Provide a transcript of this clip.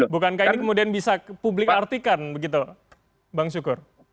bukankah ini kemudian bisa publik artikan begitu bang syukur